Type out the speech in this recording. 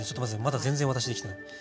まだ全然私できてない。